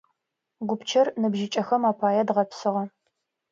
Гупчэр ныбжьыкӏэхэм апае дгъэпсыгъэ.